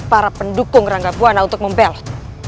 para pendukung rangga buana untuk membelot